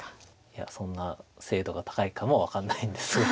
いやそんな精度が高いかも分かんないんですが。